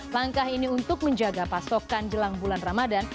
langkah ini untuk menjaga pasokan jelang bulan ramadan